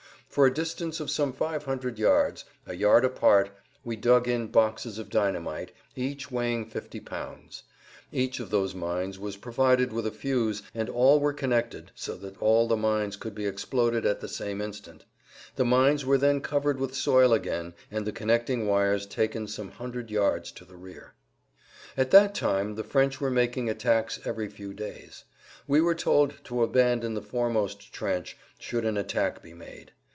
For a distance of some 500 yards, a yard apart, we dug in boxes of dynamite, each weighing 50 pounds. Each of those mines was provided with a fuse and all were connected so that all the mines could be exploded at the same instant. The mines were then covered with soil again and the connecting wires taken some hundred yards to the rear. At that time the French were making attacks every few days. We were told to abandon the foremost trench should an attack be made.